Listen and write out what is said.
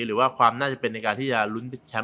หรือว่าความน่าจะเป็นในการที่จะลุ้นแชมป